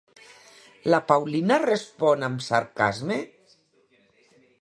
La Paulina respon amb sarcasme?